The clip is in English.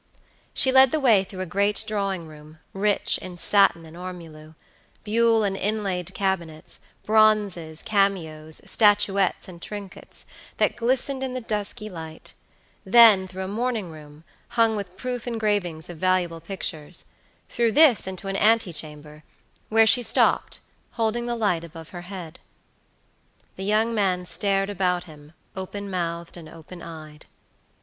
She led the way through a great drawing room, rich in satin and ormolu, buhl and inlaid cabinets, bronzes, cameos, statuettes, and trinkets, that glistened in the dusky light; then through a morning room, hung with proof engravings of valuable pictures; through this into an ante chamber, where she stopped, holding the light above her head. The young man stared about him, open mouthed and open eyed.